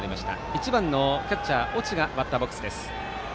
１番のキャッチャー、越智がバッターボックスです。